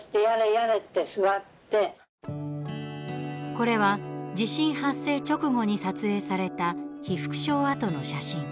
これは地震発生直後に撮影された被服廠跡の写真。